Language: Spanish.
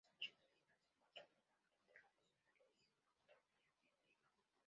Los archivos originales se encuentran en la Biblioteca Nacional de Letonia, en Riga.